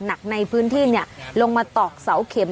หนักในพื้นที่ลงมาตอกเสาเข็ม